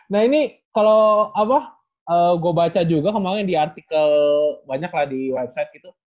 nah ini kalau apa gue baca juga kemarin di artikel banyak lah di website gitu